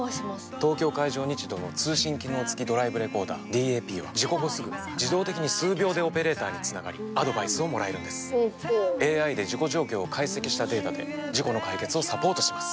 東京海上日動の通信機能付きドライブレコーダーＤＡＰは事故後すぐ自動的に数秒でオペレーターにつながりアドバイスをもらえるんですＡＩで事故状況を解析したデータで事故の解決をサポートします